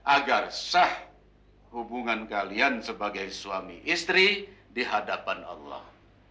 agar sah hubungan kalian sebagai suami istri dihadapan allah